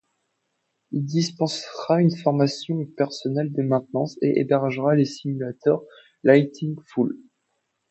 Il dispensera une formation au personnel de maintenance et hébergera les simulateurs Lightning Full.